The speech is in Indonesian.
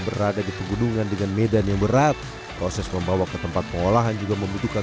berada di pegunungan dengan medan yang berat proses membawa ke tempat pengolahan juga membutuhkan